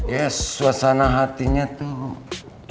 ya suasana hatinya tuh